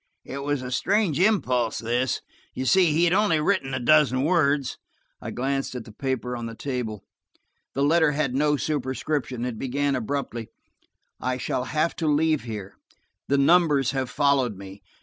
It was a strange impulse, this–you see, he had only written a dozen words." I glanced at the paper on the table. The letter had no superscription; it began abruptly: "I shall have to leave here. The numbers have followed me.